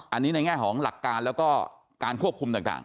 อันนี้ในแง่ของหลักการแล้วก็การควบคุมต่าง